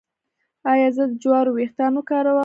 ایا زه د جوارو ويښتان وکاروم؟